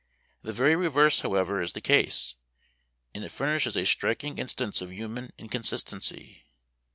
The very reverse, however, is the case, and it furnishes a striking instance of human inconsistency.